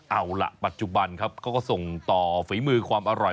เอาล่ะปัจจุบันครับเขาก็ส่งต่อฝีมือความอร่อย